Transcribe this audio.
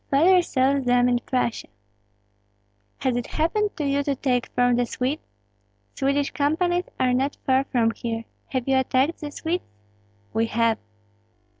"Father sells them in Prussia." "Has it happened to you to take from the Swedes? Swedish companies are not far from here. Have you attacked the Swedes?" "We have."